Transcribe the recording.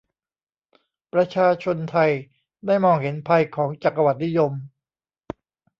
ประชาชนไทยได้มองเห็นภัยของจักรวรรดินิยม